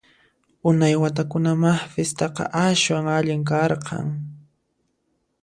Unay watakunamá fistaqa aswan allin karqan!